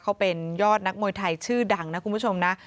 เขาเป็นยอดนักมวยไทยชื่อดังนะคุณผู้ชมนะ